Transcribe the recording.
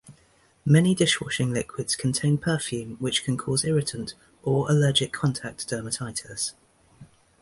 Many dishwashing liquids contain perfume which can cause irritant or allergic contact dermatitis.